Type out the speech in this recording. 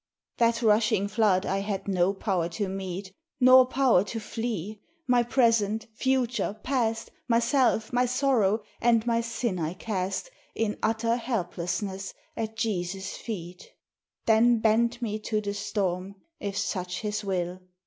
That rushing flood I had no power to meet, Nor power to flee: my present, future, past, Myself, my sorrow, and my sin I cast In utter helplessness at Jesu's feet: Then bent me to the storm, if such his will.